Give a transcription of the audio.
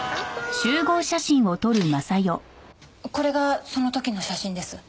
これがその時の写真です。